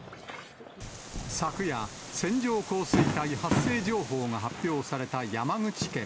昨夜、線状降水帯発生情報が発表された山口県。